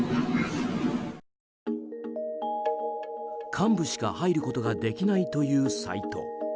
幹部しか入ることができないというサイト。